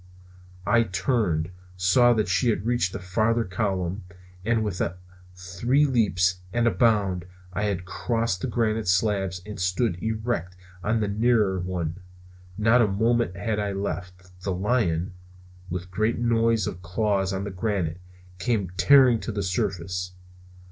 I turned, saw that she had reached the farther column; and with three leaps and a bound I had crossed the granite slabs and stood erect on the nearer one! Not a moment had I left. The lion, with great noise of claws on the granite, came tearing to the surface.